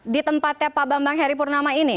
di tempatnya pak bambang heri purnama ini